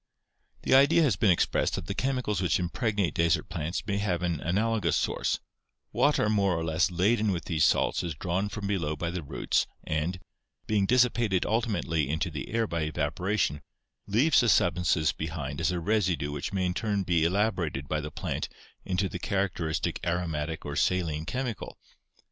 The idea has been expressed that the chemicals which impregnate desert plants may have an analogous source — water more or less laden with these salts is drawn from below by the roots and, being dissipated ultimately into the air by evaporation, leaves the sub stances behind as a residue which may in turn be elaborated by the plant into the characteristic aromatic or saline chemical.